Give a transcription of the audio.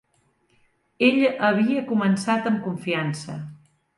Ell havia començat amb confiança.